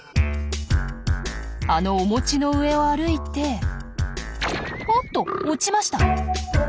あのお餅の上を歩いておっと落ちました。